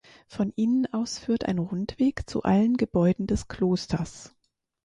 Von ihnen aus führt ein Rundweg zu allen Gebäuden des Klosters.